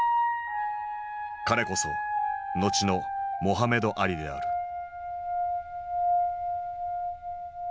彼こそ後のモハメド・アリである。